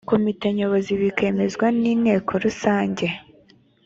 komite nyobozibikemezwa n inteko rusange